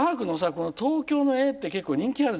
この東京の絵って結構人気あるじゃない？